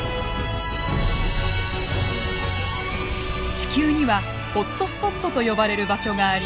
地球にはホットスポットと呼ばれる場所があります。